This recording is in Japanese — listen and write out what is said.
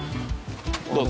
どうぞ。